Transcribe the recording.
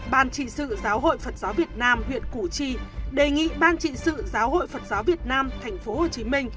ban trị sự giáo hội phật giáo việt nam huyện củ chi đề nghị ban trị sự giáo hội phật giáo việt nam tp hcm